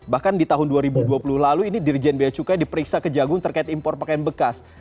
bahkan di tahun dua ribu dua puluh lalu ini dirjen bia cukai diperiksa ke jagung terkait impor pakaian bekas